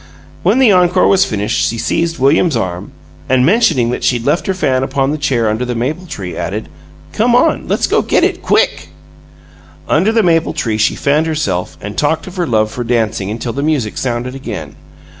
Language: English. When the encore was finished she seized William's arm, and, mentioning that she'd left her fan upon the chair under the maple tree, added, "Come on! Let's go get it QUICK!" Under the maple tree she fanned herself and talked of her love for dancing until the music sounded again.